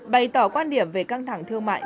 bày tỏ quan điểm về căng thẳng thương mại